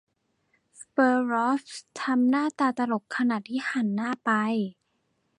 เปตรอฟทำหน้าตลกขณะที่หันหน้าไป